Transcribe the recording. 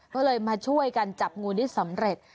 ก็เลยมาช่วยกันจับงูได้สำเร็จ